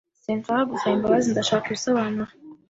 Sinshaka gusaba imbabazi. Ndashaka ibisobanuro.